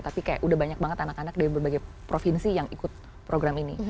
tapi kayak udah banyak banget anak anak dari berbagai provinsi yang ikut program ini